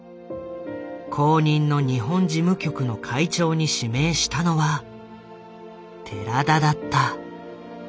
後任の日本事務局の会長に指名したのは寺田だった。